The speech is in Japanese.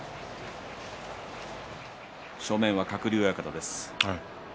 正面は鶴竜親方です。